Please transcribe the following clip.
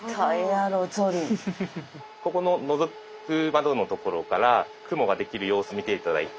ここののぞく窓のところから雲ができる様子見て頂いて。